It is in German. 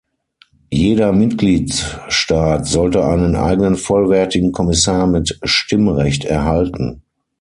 Jeder Mitgliedstaat sollte einen eigenen vollwertigen Kommissar mit Stimmrecht erhalten.